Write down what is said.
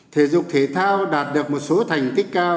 thể dục thể thao đạt được một số thành tích cao